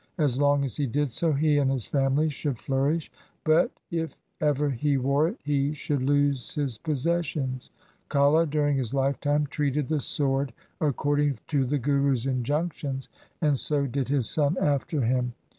As long as he did so, he and his family should flourish, but, if ever he wore it, he should lose his possessions. Kalha during his lifetime treated the sword according to the Guru's injunc tions, and so did his son after him.